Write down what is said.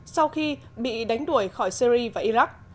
sau khi bị đánh đuổi khỏi syria và iraq